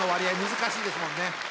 難しいですもんね。